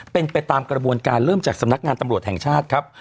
เป็นไปตามกระบวนการเริ่มจากสำนักงานตำรวจแห่งชาติครับ